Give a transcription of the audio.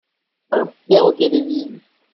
Un perroquet des îles.